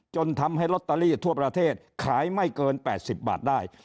จนทำให้ลอตเตอรี่ทั่วประเทศขายไม่เกิน๘๐บาทได้